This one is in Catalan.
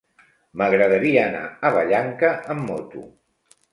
M'agradaria anar a Vallanca amb moto.